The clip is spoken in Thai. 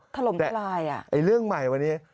แต่เรื่องใหม่วันนี้